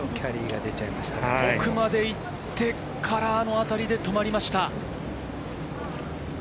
奥まで行って、カラーのあたりで止まりました。